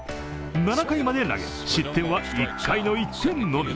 ７回まで投げ、失点は１回の１点のみ。